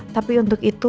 tapi untuk itu